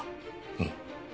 うん。